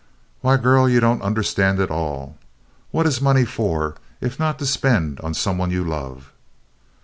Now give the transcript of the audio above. "Why, girl, you don't understand at all! What is money for, if not to spend on some one you love?"